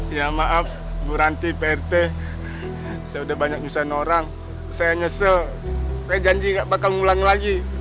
ya maaf buranti prt sudah banyak nyeselin orang saya nyesel saya janji nggak bakal ngulang lagi